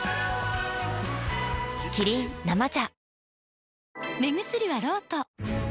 キリン「生茶」